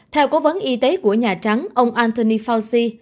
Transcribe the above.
theo cố vấn y tế của nhà trắng ông antony fauci